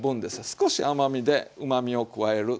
少し甘みでうまみを加える。